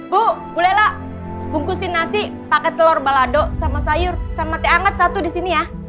bu bolehlah bungkusin nasi pakai telur balado sama sayur sama teh anget satu di sini ya